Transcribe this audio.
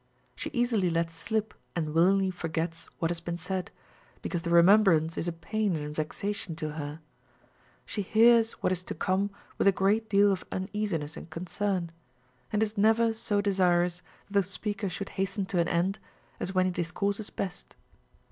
She easily lets slip and willingly forgets what has been said, because the remembrance is a pain and vexation to her ; she hears what is to come with a great deal of uneasiness and concern, and is never so desirous that the speaker should hasten to an end, as when he discourses best.